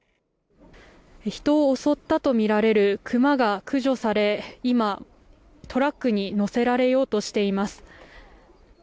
人を襲ったとみられるクマが駆除され、トラックに載せられてようとしています。